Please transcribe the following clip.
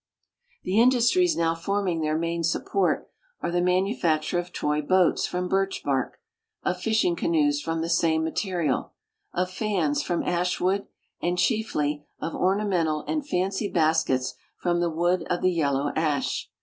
The industries now forming their main sup{)ort are the man ufacture of toy boats from birch bark, of fishing canoes from the same material, of fans from ash wood, and, chieHy, of ornamental and fancy baskets from the wood of the yellow ash.